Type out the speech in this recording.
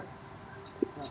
pada hal ini